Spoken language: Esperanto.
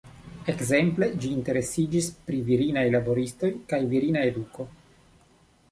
Ekzemple, ĝi interesiĝis pri virinaj laboristoj, kaj virina eduko.